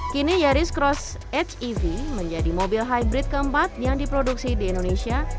kini yaris cross hev menjadi mobil hybrid keempat yang diproduksi di indonesia